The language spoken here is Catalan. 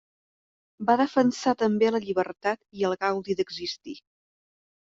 Va defensar també la llibertat i el gaudi d'existir.